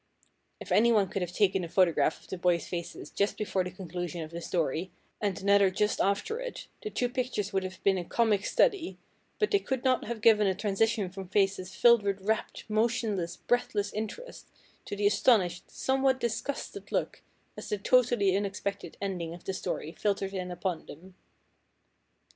If anyone could have taken a photograph of the boys' faces just before the conclusion of the story and another just after it, the two pictures would have been a comic study; but they could not have given the transition from faces filled with rapt, motionless, breathless interest to the astonished, somewhat disgusted look as the totally unexpected ending of the story filtered in upon them.